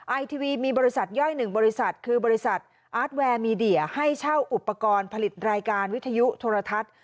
ไอทีวีมีบริษัทย่อย๑บริษัทคือบริษัทอาร์ตแวร์มีเดียให้เช่าอุปกรณ์ผลิตรายการวิทยุโทรทัศน์